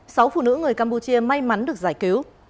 sáu phụ nữ người campuchia may mắn được giải cứu